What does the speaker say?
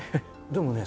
でもね